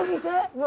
うわ！